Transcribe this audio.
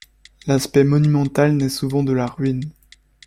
L’aspect monumental naît souvent de la ruine.